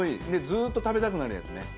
ずっと食べたくなるやつね。